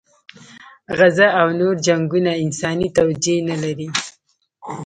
غزه او نور جنګونه انساني توجیه نه لري.